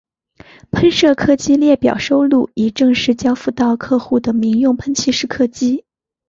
喷射客机列表收录已正式交付到客户的民用喷气式客机。